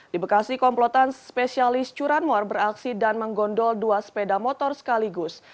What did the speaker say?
di bekasi komplotan spesialis curanmor beraksi dan menggondol dua sepeda motor sekaligus